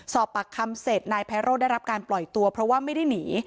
สอบปากคำเสร็จนายไพโร่ได้รับการปล่อยตัวเพราะว่าไม่ได้หนี